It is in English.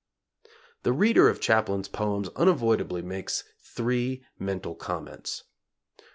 The reader of Chaplin's prison poems unavoidably makes three mental comments: 1.